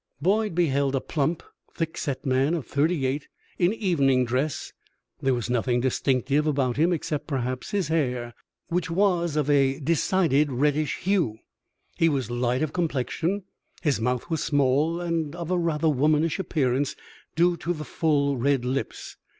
Boyd beheld a plump, thick set man of thirty eight in evening dress. There was nothing distinctive about him except, perhaps, his hair, which was of a decided reddish hue. He was light of complexion; his mouth was small and of a rather womanish appearance, due to the full red lips.